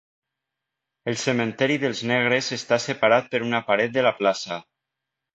El Cementiri dels Negres està separat per una paret de la plaça.